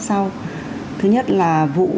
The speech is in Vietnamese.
sau thứ nhất là vụ